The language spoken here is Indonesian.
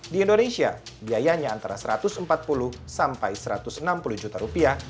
di indonesia biayanya antara satu ratus empat puluh sampai satu ratus enam puluh juta rupiah